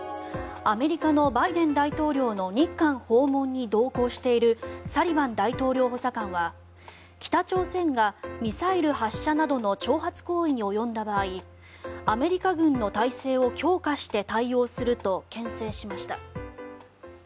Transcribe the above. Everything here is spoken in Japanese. アメリカのバイデン大統領の日韓訪問に同行しているサリバン大統領補佐官は北朝鮮がミサイル発射などの挑発行為に及んだ場合アメリカ軍の態勢を強化して対応するとけん制しました。